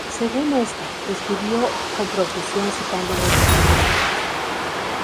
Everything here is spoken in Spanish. Según esta, escribió con profusión citando muchos documentos.